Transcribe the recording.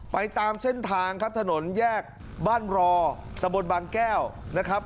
ตามเส้นทางครับถนนแยกบ้านรอตะบนบางแก้วนะครับ